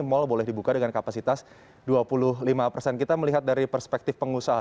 mall boleh dibuka dengan kapasitas dua puluh lima persen kita melihat dari perspektif pengusaha